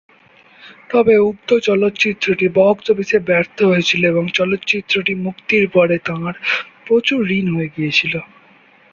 তবে উক্ত চলচ্চিত্রটি বক্স অফিসে ব্যর্থ হয়েছিল এবং এই চলচ্চিত্রটি মুক্তির পরে তাঁর প্রচুর ঋণ হয়ে গিয়েছিল।